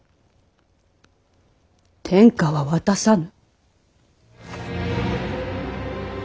天下は渡さぬ。